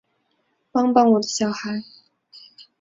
帮帮我的小孩